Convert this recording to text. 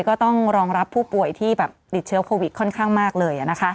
ก็ต้องรองรับผู้ป่วยที่ติดเชื้อโควิดค่อนข้างมากเลย